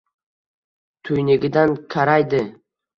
Tuynugidan karaydi.